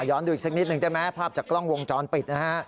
ดูอีกสักนิดหนึ่งได้ไหมภาพจากกล้องวงจรปิดนะฮะ